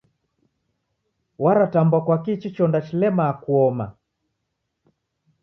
Waratambwa kwaki ichi chonda chilemaa kuona?